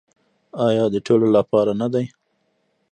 آیا د ټولو لپاره نه دی؟